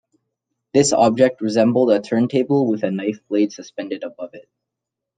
This object resembled a turntable with a knife blade suspended above it.